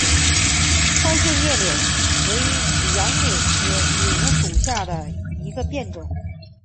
宽线叶柳为杨柳科柳属下的一个变种。